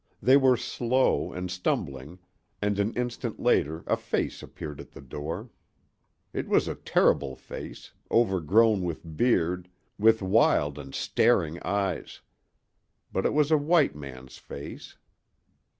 They were slow and stumbling, and an instant later a face appeared at the door. It was a terrible face, overgrown with beard, with wild and staring eyes; but it was a white man's face.